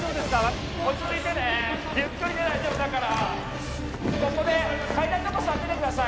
落ち着いてねゆっくりで大丈夫だからここで階段のとこ座っててください